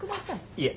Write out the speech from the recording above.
いえ。